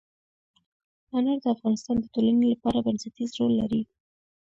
انار د افغانستان د ټولنې لپاره بنسټيز رول لري.